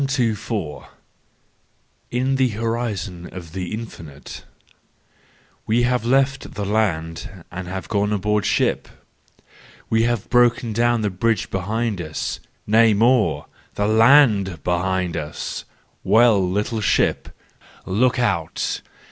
THE JOYFUL WISDOM, III 167 124. In the Horizon of the Infinite. —We have left the land and have gone aboard ship! We have broken down the bridge behind us,—nay, more, the land behind us! Well, little ship ! look out!